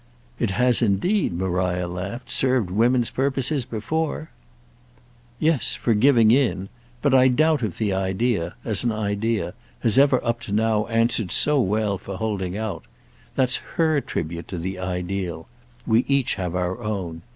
"It has indeed," Maria laughed, "served women's purposes before!" "Yes—for giving in. But I doubt if the idea—as an idea—has ever up to now answered so well for holding out. That's her tribute to the ideal—we each have our own.